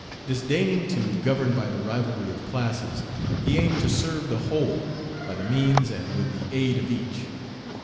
Disdaining to govern by the rivalry of classes, he aimed to serve the whole, by the means and with the aid of each.